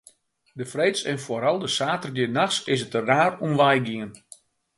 De freeds en foaral de saterdeitenachts is it der raar om wei gien.